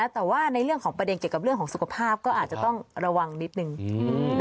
แต่ว่าในเรื่องของประเด็นเกี่ยวกับเรื่องของสุขภาพก็อาจจะต้องระวังนิดนึง